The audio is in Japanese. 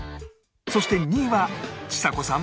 そして２位はちさ子さん？